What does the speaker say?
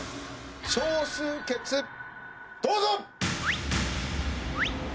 少数決どうぞ！